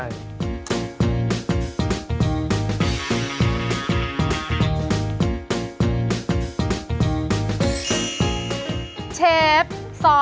อาหาร